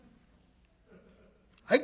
はい」。